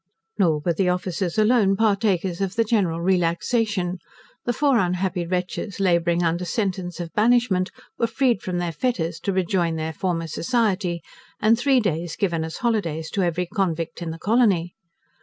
Nor were the officers alone partakers of the general relaxation. The four unhappy wretches labouring under sentence of banishment were freed from their fetters, to rejoin their former society; and three days given as holidays to every convict in the colony.